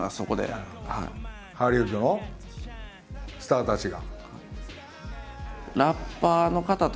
ハリウッドのスターたちが。